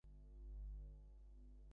ঠিক এভাবে, বুঝলে?